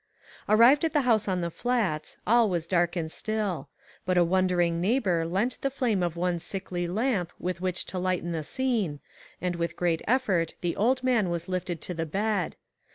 Arrived at the house on the Flats, all was dark and still ; but a wondering neigh bor lent the flame of one sickly lamp with which to lighten the scene, and with great effort the old man was lifted to the bed.